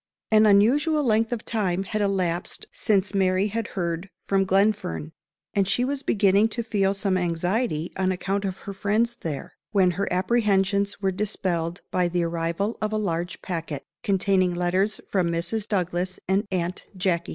AN unusual length of time had elapsed since Mary had heard from Glenfern, and she was beginning to feel some anxiety on account of her friends there, when her apprehensions were dispelled by the arrival of a large packet, containing letters from Mrs. Douglas and Aunt Jacky.